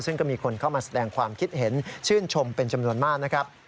ซึ่งก็มีคนเข้ามาแสดงความคิดเห็นชื่นชมเป็นจำนวนมากนะครับ